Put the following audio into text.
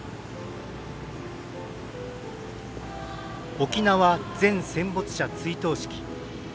「沖縄全戦没者追悼式」。